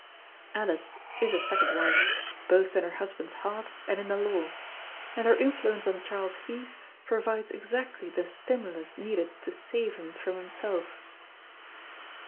Alice is a second wife, both in her husband's heart and in the law; and her influence on Charles Heath provides exactly the stimulus needed to save him from himself.